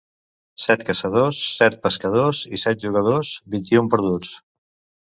Set caçadors, set pescadors i set jugadors: vint-i-un perduts.